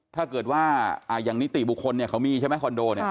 ถ้าเกิดว่าอย่างนิติบุคคลเนี่ยเขามีใช่ไหมคอนโดเนี่ย